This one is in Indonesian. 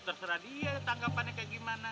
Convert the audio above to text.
terserah dia tanggapannya kayak gimana